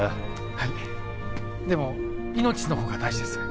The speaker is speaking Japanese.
はいでも命のほうが大事です